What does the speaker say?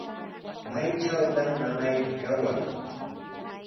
¿Maytrawtaq mamayki kawan?